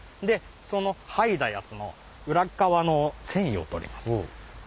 その剥いだやつの裏っかわの繊維を取ります。